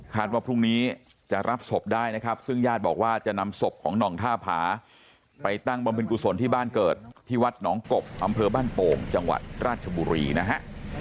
ว่าพรุ่งนี้จะรับศพได้นะครับซึ่งญาติบอกว่าจะนำศพของหน่องท่าผาไปตั้งบำเพ็ญกุศลที่บ้านเกิดที่วัดหนองกบอำเภอบ้านโป่งจังหวัดราชบุรีนะฮะ